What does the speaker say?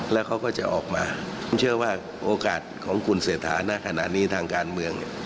แล้วเขาก็จะออกมาผมเชื่อว่าโอกาสของคุณเศรษฐานะขณะนี้ทางการเมืองเนี่ย